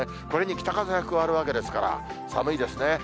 これに北風が加わるわけですから、寒いですね。